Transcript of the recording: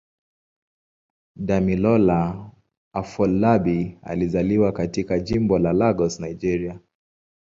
Damilola Afolabi alizaliwa katika Jimbo la Lagos, Nigeria.